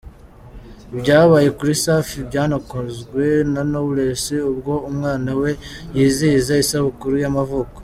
Ibyabaye kuri Safi byanakozwe na Knowless ubwo umwana we yizihiza isabukuru y’amavuko.